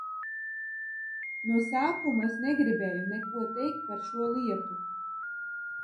No sākuma es negribēju neko teikt par šo lietu.